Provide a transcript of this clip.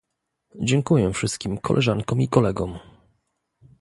Dziękuję wszystkim koleżankom i kolegom